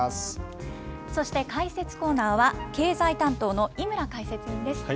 そして、解説コーナーは、経済担当の井村解説委員です。